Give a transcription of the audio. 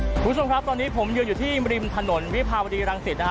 คุณผู้ชมครับตอนนี้ผมยืนอยู่ที่ริมถนนวิภาวดีรังสิตนะฮะ